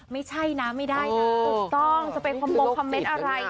ไม่ใช่นะไม่ได้ทุกต้องจะไปลงคอมเมนต์อะไร